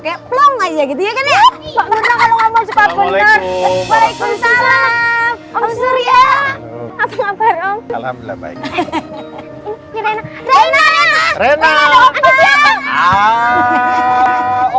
kayak belum aja gitu ya kan ya kalau ngomong sebabnya waalaikumsalam om surya apa apa rom